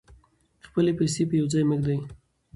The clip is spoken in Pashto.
خپلې پیسې په یو ځای مه ږدئ.